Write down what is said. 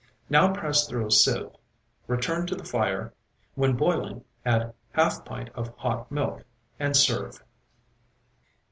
Now press through a sieve; return to the fire; when boiling, add half pint of hot milk, and serve.